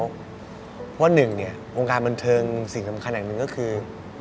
เพราะว่าหนึ่งเนี่ยวงการบันเทิงสิ่งสำคัญอย่างหนึ่งก็คือ